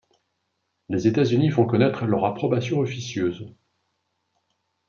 Les États-Unis font connaître leur approbation officieuse.